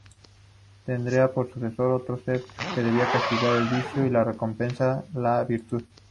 Tendría, por sucesor, otro ser que debía castigar el vicio y recompensar la virtud.